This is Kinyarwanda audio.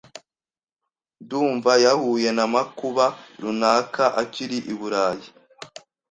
Ndumva yahuye namakuba runaka akiri i Burayi.